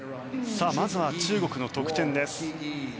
まずは中国の得点です。